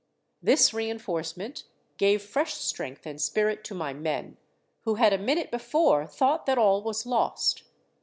"This reinforcement gave fresh strength and spirit to my men, who had a minute before thought that all was lost.